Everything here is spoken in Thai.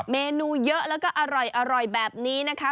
เมนูเยอะแล้วก็อร่อยแบบนี้นะคะ